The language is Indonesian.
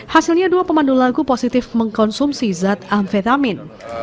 hasilnya dua pemandu lagu positif mengkonsumsi zat amfetamin